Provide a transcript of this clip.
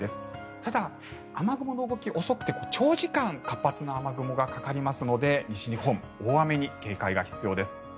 ただ、雨雲の動きが遅くて長時間、活発な雨雲がかかりますので西日本、大雨に警戒が必要です。